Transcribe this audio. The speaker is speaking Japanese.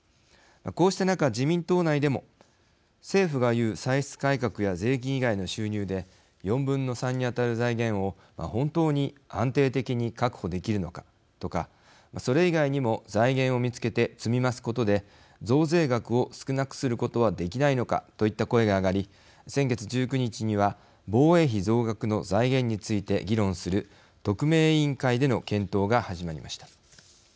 こうした中、自民党内でも政府が言う歳出改革や税金以外の収入で４分の３に当たる財源を本当に安定的に確保できるのかとかそれ以外にも財源を見つけて積み増すことで、増税額を少なくすることはできないのかといった声が上がり先月１９日には防衛費増額の財源について議論する特命委員会での検討が始まりました。